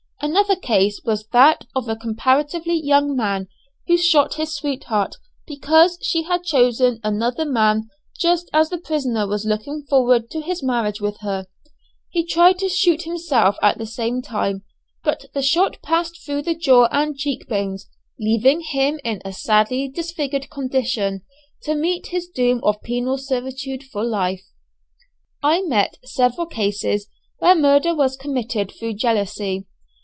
Another case was that of a comparatively young man, who shot his sweetheart because she had chosen another man just as the prisoner was looking forward to his marriage with her. He tried to shoot himself at the same time, but the shot passed through the jaw and cheek bones, leaving him in a sadly disfigured condition to meet his doom of penal servitude for life. I met several cases where murder was committed through jealousy.